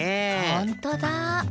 ほんとだ。